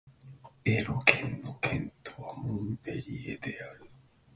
エロー県の県都はモンペリエである